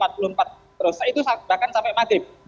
terus itu bahkan sampai maghrib